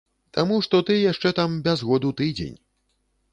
Таму што ты яшчэ там без году тыдзень.